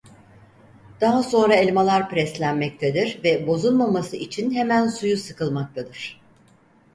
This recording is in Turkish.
Daha sonra elmalar preslenmektedir ve bozulmaması için hemen suyu sıkılmaktadır.